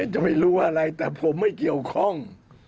จะไม่รู้อะไรแต่ผมไม่เกี่ยวข้อง